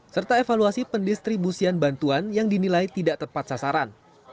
serta evaluasi pendistribusian bantuan yang dinilai tidak tepat sasaran